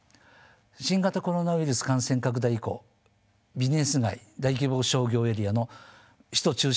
新型コロナウイルス感染拡大以降ビジネス街大規模商業エリアの首都中心部では人口の減少。